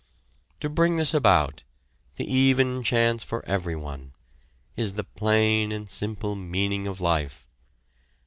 To bring this about the even chance for everyone is the plain and simple meaning of life.